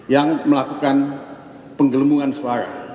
yang melakukan penggelembungan suara